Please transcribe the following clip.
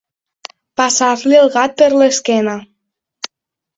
Passar-li el gat per l'esquena.